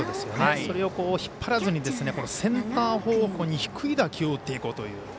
それを引っ張らずにセンター方向に低い打球を打っていこうという。